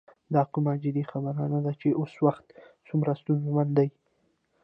دا کومه جدي خبره نه ده چې اوس وخت څومره ستونزمن دی.